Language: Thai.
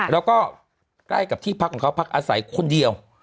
แล้วก็ใกล้กับที่พักของเขาพักอาศัยคนเดียว